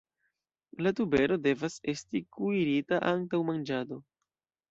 La tubero devas esti kuirita antaŭ manĝado.